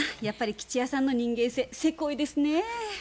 やっぱり吉弥さんの人間性せこいですねぇ。